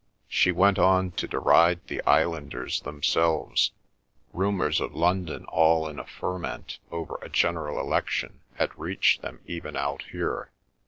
She went on to deride the islanders themselves. Rumours of London all in a ferment over a General Election had reached them even out here.